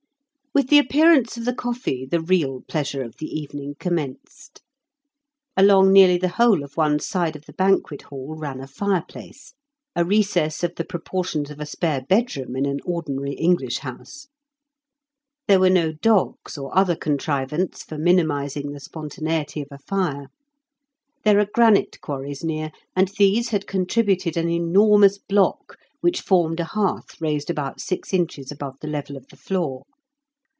With the appearance of the coffee the real pleasure of the evening commenced. Along nearly the whole of one side of the banquet hall ran a fireplace, a recess of the proportions of a spare bedroom in an ordinary English house. There were no "dogs" or other contrivance for minimising the spontaneity of a fire. There are granite quarries near, and these had contributed an enormous block which formed a hearth raised about six inches above the level of the floor.